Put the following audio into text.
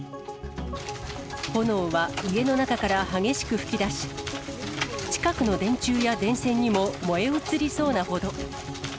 炎は家の中から激しく噴き出し、近くの電柱や電線にも燃え移りそうなほど。